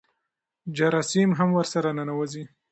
جراثیم هم ورسره ننوځي.